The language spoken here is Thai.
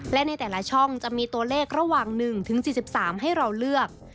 และในแต่ละช่องจะมีตัวเลขระหว่าง๑๔๓ให้เราเลือก